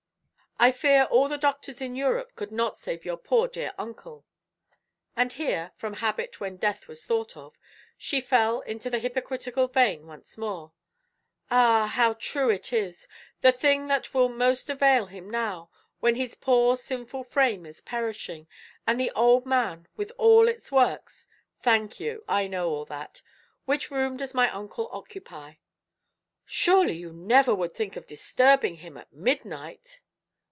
I fear all the doctors in Europe could not save your poor dear uncle." And here (from habit when death was thought of) she fell into the hypocritical vein once more "Ah, how true it is! The thing that will most avail him now, when his poor sinful frame is perishing, and the old man with all its works " "Thank you. I know all that. Which room does my uncle occupy?" "Surely, you never would think of disturbing him at midnight!"